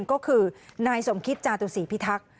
ก็คือนายสมคิตจาตุศีพิทักษ์